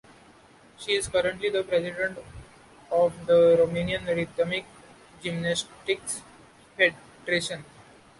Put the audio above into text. She is currently the president of the Romanian Rhythmic Gymnastics Federation.